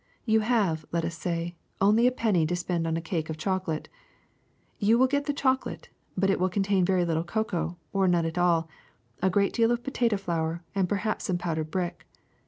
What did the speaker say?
You have, let us say, only a penny to spend on a cake of choco late; you will get the chocolate, but it will contain very little cocoa, or none at all, a great deal of potato flour, and perhaps some powdered brick.